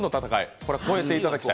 これは超えていただきたい。